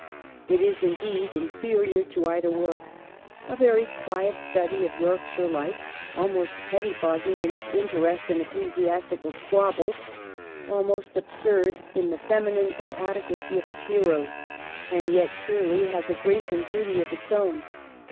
It is, indeed, inferior to either work ; a very quiet study of Yorkshire life, al most pettifogging in its interest in ecclesiastical squabbles, almost absurd in the feminine inad equacy of its heroes. And yet ' Shirley ' has a grace and beauty of its own.